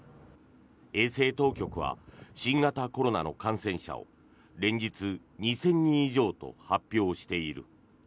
衛生当局は新型コロナの感染者を連日２０００人以上と発表している。